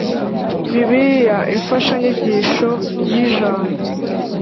bibiliya imfashanyigisho y ijambo